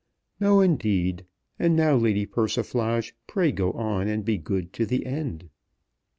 "No, indeed; and now, Lady Persiflage, pray go on and be good to the end."